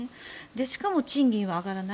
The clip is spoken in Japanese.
しかも、賃金は上がらない。